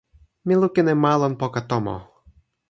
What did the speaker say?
mi lukin e ma lon poka tomo.